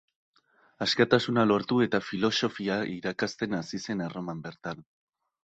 Askatasuna lortu eta filosofia irakasten hasi zen Erroman bertan.